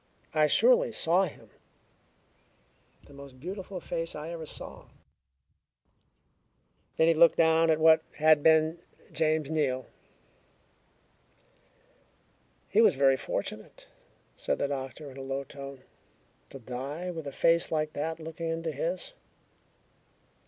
"I surely saw him. The most beautiful face I ever saw." Then he looked down at what had been James Neal. "He was very fortunate," said the doctor in a low tone, "to die with a face like that looking into his."